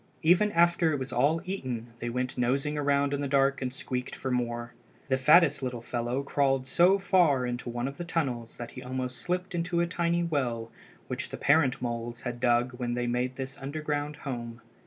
Even after it was all eaten they went nosing around in the dark and squeaked for more. The fattest little fellow crawled so far into one of the tunnels that he almost slipped into the tiny well which the parent moles had dug when they made this underground home.